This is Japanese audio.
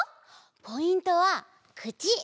ポイントはくち！